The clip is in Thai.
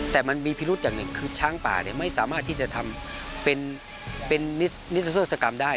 แต่มันมีพิรุษอย่างหนึ่งคือช้างป่าไม่สามารถที่จะทำเป็นนิทโศสกรรมได้